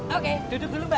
oke duduk dulu mbak